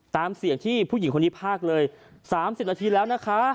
ตามเสียงที่ผู้หญิงคนนี้พากเลย๓๐นาทีแล้วนะคะ